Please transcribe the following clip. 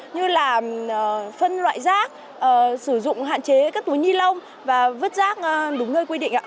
như là phân loại rác sử dụng hạn chế các túi ni lông và vứt rác đúng nơi quy định